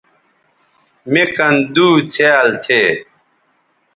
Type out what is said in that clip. مِ کن دُو څھیال تھے